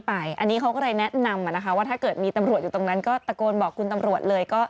อันนี้เขาก็เลยแนะนำว่าถ้าเกิดมีตำรวจอยู่ตรงนั้นก็ตะโกนบอกคุณตำรวจเลย